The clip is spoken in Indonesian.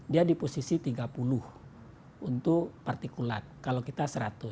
dia di posisi tiga puluh untuk partikulat kalau kita seratus